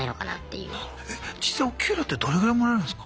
実際お給料ってどれぐらいもらえるんですか？